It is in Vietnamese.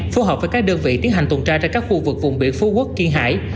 phù hợp với các đơn vị tiến hành tuần tra trên các khu vực vùng biển phú quốc kiên hải